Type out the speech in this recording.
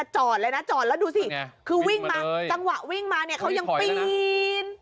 จังหวะวิ่งมาเขายังปีน